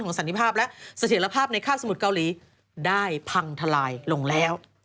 สันติภาพและเสถียรภาพในค่าสมุทรเกาหลีได้พังทลายลงแล้ว